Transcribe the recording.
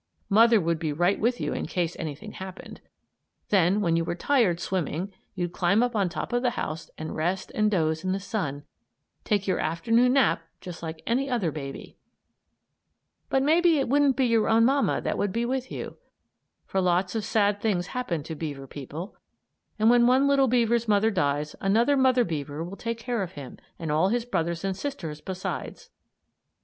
Mother would be right with you in case anything happened. Then when you were tired swimming you'd climb up on top of the house and rest and doze in the sun; take your afternoon nap just like any other baby. [Illustration: LITTLE BEAVERS IN THEIR HOME] But maybe it wouldn't be your own mamma that would be with you; for lots of sad things happen to beaver people, and when one little beaver's mother dies another mother beaver will take care of him, and all his brothers and sisters besides!